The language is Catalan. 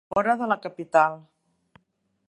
Fora de la capital.